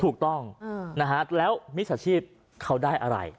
ถูกต้องแล้วมิสาชีพเขาได้อะไร